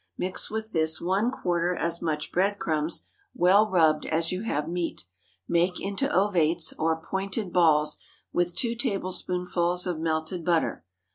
Mix with this one quarter as much bread crumbs, well rubbed, as you have meat; make into ovates, or pointed balls, with two tablespoonfuls of melted butter.